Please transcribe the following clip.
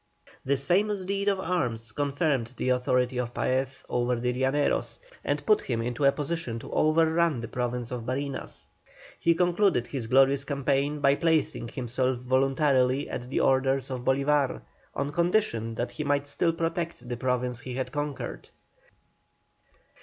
This famous deed of arms confirmed the authority of Paez over the Llaneros, and put him into a position to overrun the Province of Barinas. He concluded his glorious campaign by placing himself voluntarily at the orders of Bolívar, on condition that he might still protect the province he had conquered.